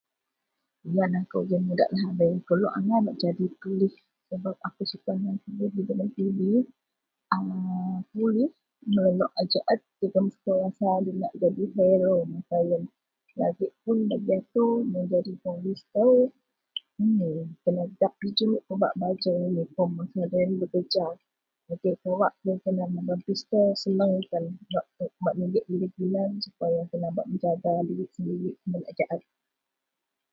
Lian aku agei muda lahabei lok angai bak jadi polis sebab aku suka peden dagen tv a melelok a ja'ed jegam selesa jegam lo yian mun jadi polis pebak baju uniform waktu kerja menaban pistol bak nigek gidei genan supaya bak menjaga diri sendiri keman a ja'ed.